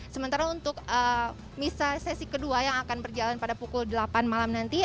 sementara untuk misa sesi kedua yang akan berjalan pada pukul delapan malam nanti